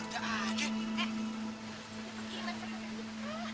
iya kagak percaya